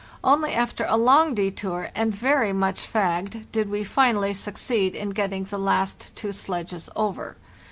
Only after a long detour, and very much fagged, did we finally succeed in getting the last two sledges over.